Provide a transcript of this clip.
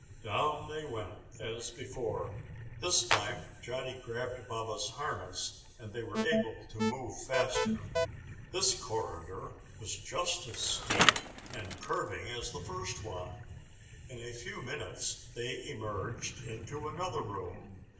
Down they went as before. This time Johnny grabbed Baba's harness and they were able to move faster. This corridor was just as steep and curving as the first one. In a few minutes they emerged into another room.